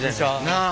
なあ。